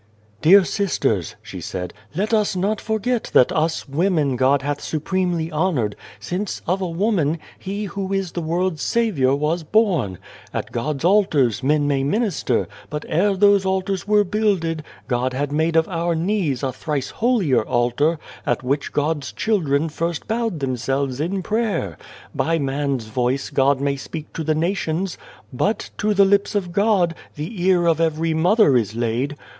" Dear sisters," she said, "let us not forget that us women God hath supremely honoured, since, of a woman, He who is the world's Saviour was born. At God's altars, men may minister, but ere those altars were builded, God had made of our knees a thrice holier altar, at which God's children first bowed themselves in prayer. By man's voice God may speak to the nations, but, to the lips of God, the ear of every mother is laid.